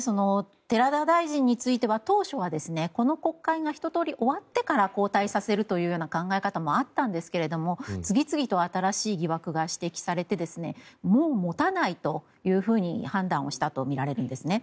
寺田大臣については当初はこの国会がひととおり終わってから交代させるという考え方もあったんですが次々と新しい疑惑が指摘されてもう持たないというふうに判断をしたとみられるんですね。